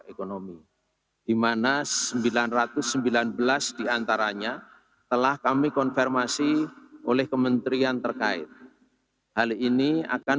ekonomi dimana sembilan ratus sembilan belas diantaranya telah kami konfirmasi oleh kementerian terkait hal ini akan